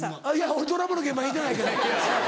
俺ドラマの現場にいてないけど。